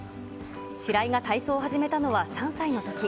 白井が体操を始めたのは３歳のとき。